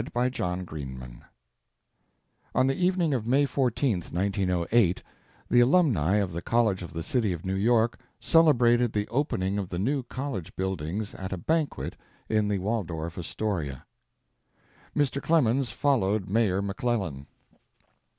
EDUCATION AND CITIZENSHIP On the evening of May 14, 1908, the alumni of the College of the City of New York celebrated the opening of the new college buildings at a banquet in the Waldorf Astoria. Mr. Clemens followed Mayor McClellan.